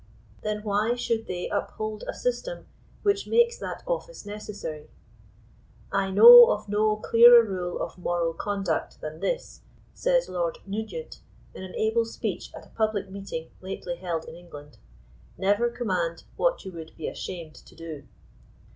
Then why should they up hold a system which makes that office necessary ? "I know of no clearer rule of moral conduct than this," says Lord Nu gent, in an able speech at a public meeting lately held in Eng land, " never command what you would be ashamed to do."